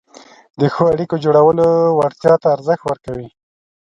د ښو اړیکو جوړولو وړتیا ته ارزښت ورکوي،